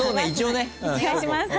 お願いします。